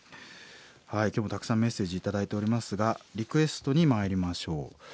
はい今日もたくさんメッセージ頂いておりますがリクエストにまいりましょう。